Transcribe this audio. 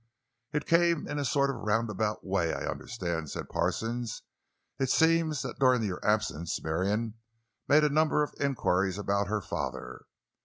"It came in a sort of roundabout way, I understand," said Parsons. "It seems that during your absence Marion made a number of inquiries about her father.